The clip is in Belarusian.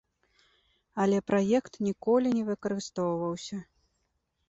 Але праект ніколі не выкарыстоўваўся.